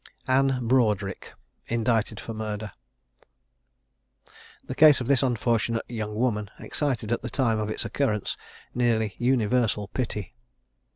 ANNE BROADRIC. INDICTED FOR MURDER. The case of this unfortunate young woman excited at the time of its occurrence nearly universal pity.